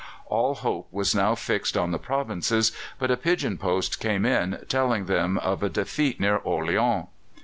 All hope was now fixed on the provinces, but a pigeon post came in, telling them of a defeat near Orleans.